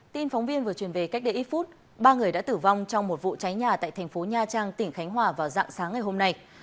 tin phóng viên vừa truyền về cách đây ít phút ba người đã tử vong trong một vụ cháy nhà tại thành phố nha trang tỉnh khánh hòa vào dạng sáng ngày hôm nay